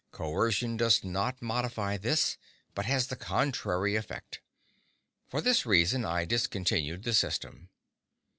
Coercion does not modify this, but has the contrary effect. For this reason I discontinued the system.